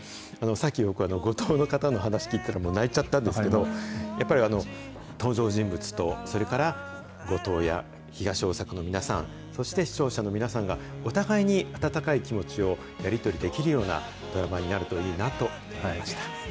さっき、僕、五島の方のお話聞いてたらもう泣いちゃったんですけど、やっぱり登場人物と、それから五島や東大阪の皆さん、そして視聴者の皆さんが、お互いに温かい気持ちをやり取りできるようなドラマになるといいなと思いました。